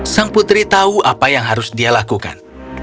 sang putri tahu apa yang harus dia lakukan